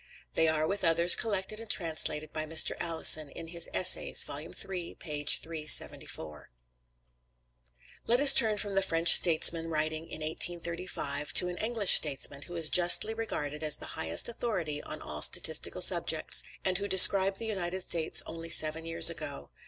They are (with others) collected and translated by Mr. Alison, in his "Essays," vol. iii. p. 374.] Let us turn from the French statesman writing in 1835, to an English statesman, who is justly regarded as the highest authority on all statistical subjects, and who described the United States only seven years ago.